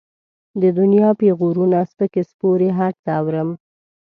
د دنيا پېغورونه، سپکې سپورې هر څه اورم.